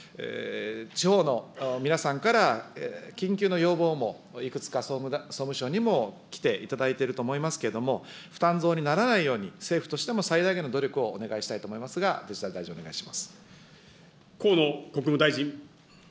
地方の皆さんから緊急の要望もいくつか総務省にも来ていただいていると思いますけれども、負担増にならないように、政府としても最大限の努力をお願いしたいと思いますが、デジタル河野国務大臣。